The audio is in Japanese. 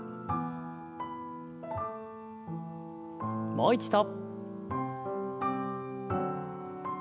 もう一度。